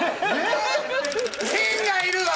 謙がいるわ！